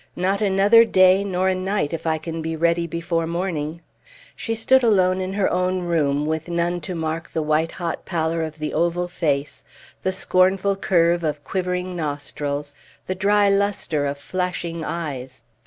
"Not another day, nor a night, if I can be ready before morning!" She stood alone in her own room, with none to mark the white hot pallor of the oval face, the scornful curve of quivering nostrils, the dry lustre of flashing eyes.